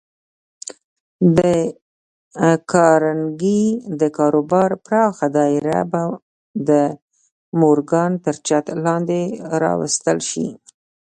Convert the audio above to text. د کارنګي د کاروبار پراخه دايره به د مورګان تر چت لاندې راوستل شي.